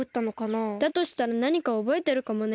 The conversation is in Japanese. だとしたらなにかおぼえてるかもね。